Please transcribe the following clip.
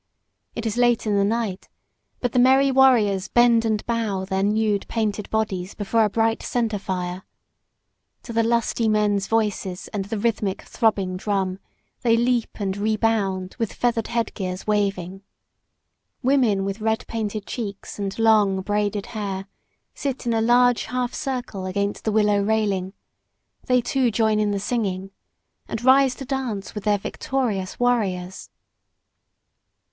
It is late in the night, but the merry warriors bend and bow their nude, painted bodies before a bright center fire. To the lusty men's voices and the rhythmic throbbing drum, they leap and rebound with feathered headgears waving. Women with red painted cheeks and long, braided hair sit in a large half circle against the willow railing. They, too, join in the singing, and rise to dance with their victorious warriors.